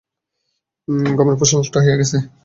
গমের ফসল নষ্ট হয়া গেসে।